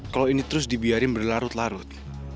kalau ini terus dibiarin berlarut larut